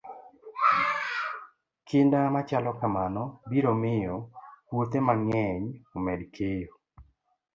Kinda machalo kamano biro miyo puothe mang'eny omed keyo.